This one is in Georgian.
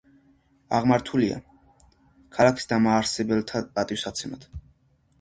აღმართულია ქალაქის დამაარსებელთა პატივსაცემად.